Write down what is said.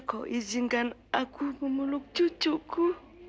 kau izinkan aku memeluk cucuku